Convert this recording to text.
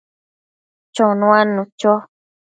chonuadnu cho